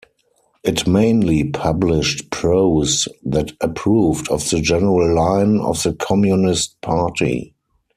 It mainly published prose that approved of the general line of the Communist Party.